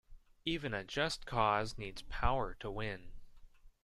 Even a just cause needs power to win.